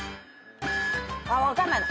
あっ分かんないな。